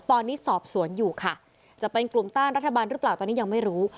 ตอนนี้สอบสวนอยู่ค่ะจะเป็นกลุ่มต้านรัฐบาลหรือเปล่าตอนนี้ยังไม่รู้